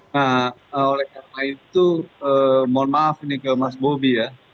nah oleh karena itu mohon maaf ini ke mas bobi ya